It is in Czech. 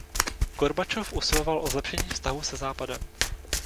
Gorbačov usiloval o zlepšení vztahů se Západem.